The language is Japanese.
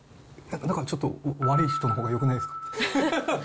なんかちょっと悪い人のほうがよくないですか。